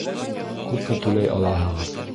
Күпме түләй алаһығыҙ?